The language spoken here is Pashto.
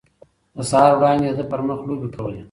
د سهار وړانګې د ده پر مخ لوبې کولې.